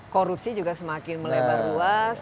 korupsi juga semakin melebar luas